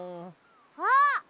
あっ！